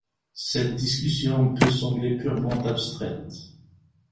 Cette discussion peut sembler purement abstraite.